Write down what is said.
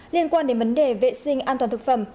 liên quan đến vấn đề vệ sinh an toàn thực phẩm